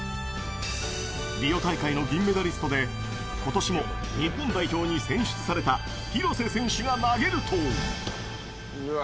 リオ大会の銀メダリストで、ことしも日本代表に選出された廣瀬選手が投げると。